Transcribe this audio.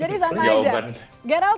jadi sama aja